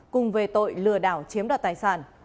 cùng về tội lừa đảo chiếm đoạt tài sản